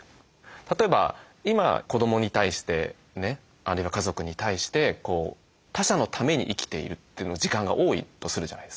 例えば今子どもに対してねあるいは家族に対して他者のために生きているという時間が多いとするじゃないですか。